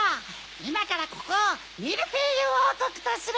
いまからここをミルフィーユおうこくとする！